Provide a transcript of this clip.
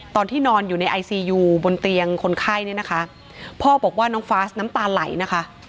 ตอนที่นอนอยู่ในไอซียูบนเตียงคนไข้เนี่ยนะคะพ่อบอกว่าน้องฟาสน้ำตาไหลนะคะ